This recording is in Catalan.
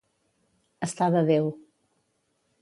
Estar de Déu.